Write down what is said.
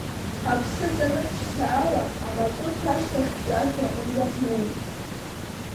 Ҳаԥсы ӡаны ԥшьаала амаҵурҭа ашьҭахьтәи ашә аҟынӡа ҳнеит.